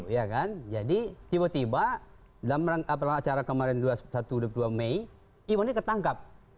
ya kan jadi tiba tiba dalam acara kemarin dua puluh satu dua puluh dua mei imannya ketangkap